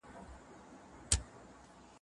هغه څوک چي وخت تېروي منظم وي.